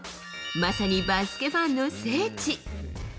まさにバスケファンの聖地。